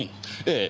ええ。